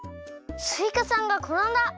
すいかさんがころんだ。